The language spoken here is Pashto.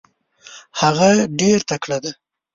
هغه ډېر تکړه دی.